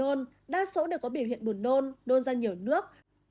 nôn đa số đều có biểu hiện buồn nôn nôn ra nhiều nước